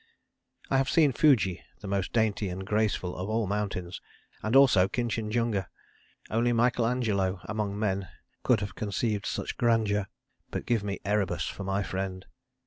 I have seen Fuji, the most dainty and graceful of all mountains; and also Kinchinjunga: only Michael Angelo among men could have conceived such grandeur. But give me Erebus for my friend.